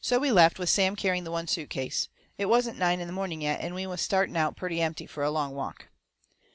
So we left, with Sam carrying the one suit case. It wasn't nine in the morning yet, and we was starting out purty empty fur a long walk.